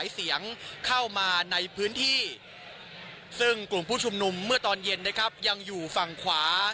ซึ่งกลุ่มผู้ชมนุมเมื่อตอนเย็นยังอยู่ฝั่งขวา